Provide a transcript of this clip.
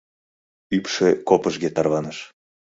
Ӱпшӧ копыжге тарваныш.